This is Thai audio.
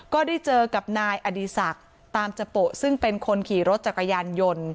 ก็ได้เจอกับนายอดีศักดิ์ตามจโปะซึ่งเป็นคนขี่รถจักรยานยนต์